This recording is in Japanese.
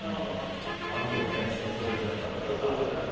あるよね人それぞれの食べ方。